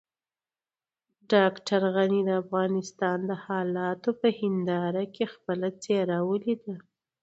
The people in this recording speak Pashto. ډاکټر غني د افغانستان د حالاتو په هنداره کې خپله څېره وليده.